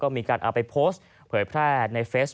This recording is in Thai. พร้อมกับหยิบมือถือขึ้นไปแอบถ่ายเลย